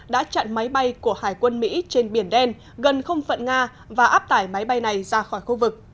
đã chặn máy bay của hải quân mỹ trên biển đen gần không phận nga và áp tải máy bay này ra khỏi khu vực